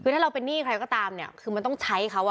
คือถ้าเราเป็นหนี้ใครก็ตามเนี่ยคือมันต้องใช้เขา